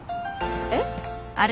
えっ？